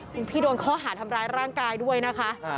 คุณพี่โดนข้อหาทำร้ายร่างกายด้วยนะคะ